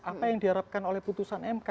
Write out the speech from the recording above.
apa yang diharapkan oleh putusan mk